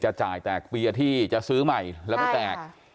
จ่ายแตกเปียร์ที่จะซื้อใหม่แล้วไม่แตก